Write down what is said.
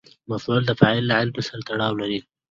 مفعول د فاعل له عمل سره تړاو لري.